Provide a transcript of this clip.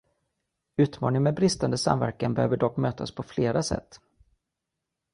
Utmaningen med bristande samverkan behöver dock mötas på flera sätt.